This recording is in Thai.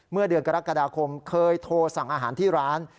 เมื่อเดือนกรกฎาคมเคยโทรสั่งอาหารที่ร้าน